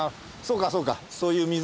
そうかそうかそういう。